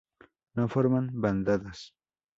No forman bandadas.